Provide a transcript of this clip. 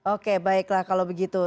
oke baiklah kalau begitu